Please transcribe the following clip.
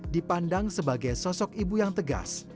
dipandang sebagai sosok ibu yang tegas